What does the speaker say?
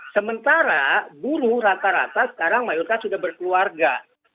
sementara buruh rata rata sekarang mayoritas sudah berkeluarga